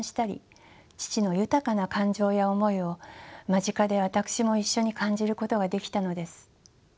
父の豊かな感情や思いを間近で私も一緒に感じることができたのです。